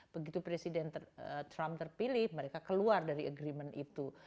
begitu presiden trump terpilih mereka keluar dari agreement itu